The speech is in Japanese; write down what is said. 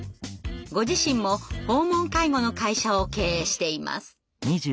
ご自身も訪問介護の会社を経営しています。